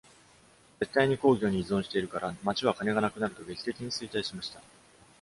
絶対に鉱業に依存しているから、町は金がなくなると劇的に衰退しました。